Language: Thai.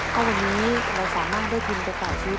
ถ้าวันนี้เราสามารถได้ทุนไปต่อชีวิต